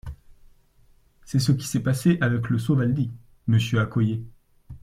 C’est ce qui s’est passé avec le Sovaldi, monsieur Accoyer.